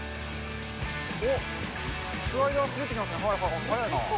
おっ、スライダー滑ってきますね、速いな。